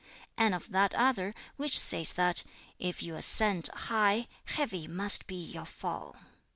and of that other which says that 'if you ascend high, heavy must be your fall.'